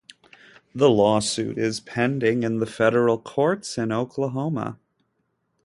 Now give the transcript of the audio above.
The lawsuit is pending in the federal courts in Oklahoma.